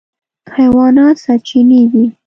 حیوانات سرچینې دي.